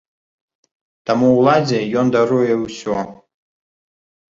Таму ўладзе ён даруе ўсё.